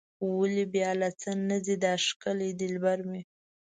ولې بیا له څه نه ځي دا ښکلی دلبر مې.